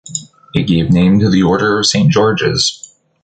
It gave it name to the Order of Saint-Georges.